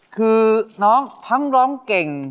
คือน้องทั้งร้องเก่ง